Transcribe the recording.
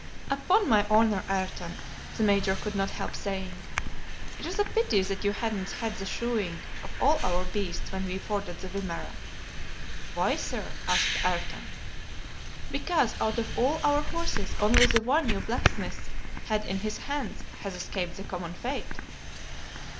"Upon my honor, Ayrton," the Major could not help saying, "it is a pity that you hadn't had the shoeing of all our beasts when we forded the Wimerra." "Why, sir?" asked Ayrton. "Because out of all our horses only the one your blacksmith had in his hands has escaped the common fate."